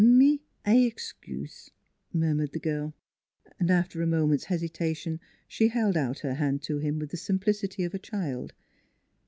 " Me I ex cuse," murmured the girl. After a moment's hesitation she held out her hand to him with the simplicity of a child.